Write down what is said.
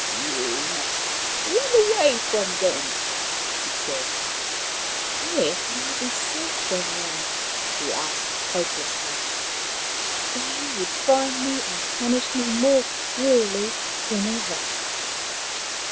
" You must run away from them," she said. " Where could I be safe from them ?" he asked hopelessly. " They would find me and punish me more cruelly than ever."